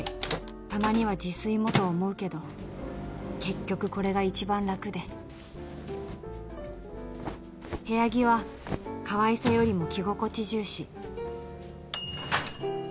たまには自炊もと思うけど結局これが一番楽で部屋着はかわいさよりも着心地重視